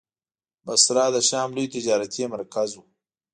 بصره د شام لوی تجارتي مرکز و.